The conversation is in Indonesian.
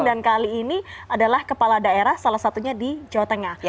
dan kali ini adalah kepala daerah salah satunya di jawa tengah